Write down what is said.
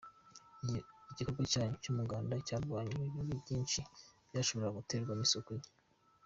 igikorwa cyanyu cy’umuganda cyarwanyije ibibi byinshi byashoboraga guterwa n’isuku nke.